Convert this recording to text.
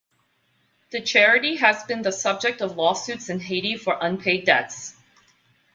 The charity has been the subject of lawsuits in Haiti for unpaid debts.